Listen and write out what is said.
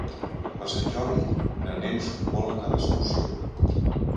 Per Sant Jordi na Neus vol anar d'excursió.